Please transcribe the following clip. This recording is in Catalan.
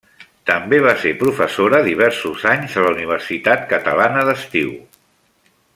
També va ser professora diversos anys a la Universitat Catalana d'Estiu.